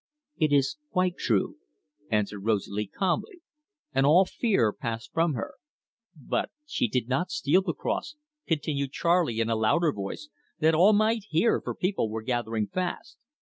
"It is quite true," answered Rosalie calmly, and all fear passed from her. "But she did not steal the cross," continued Charley, in a louder voice, that all might hear, for people were gathering fast.